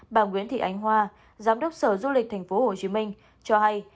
bà nguyễn thị ánh hoa giám đốc sở du lịch tp hcm cho hay